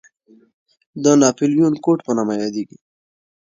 د ناپلیون کوډ په نامه یادېږي.